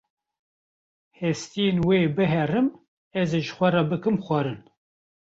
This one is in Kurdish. hestiyên wê bihêrim, ez ê ji xwe re bikim xwarin.